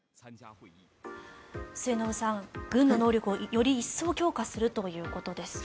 末延さん、軍の能力をより一層強化するということです。